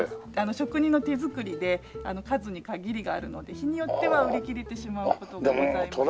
職人の手作りで数に限りがあるので日によっては売り切れてしまう事もございます。